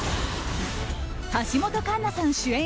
橋本環奈さん主演